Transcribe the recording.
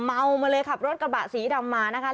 เมามาเลยขับรถกระบะสีดำมานะคะ